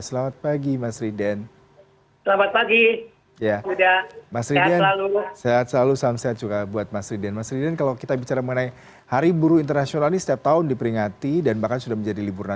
selamat pagi mas riden